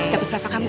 tapi berapa kamu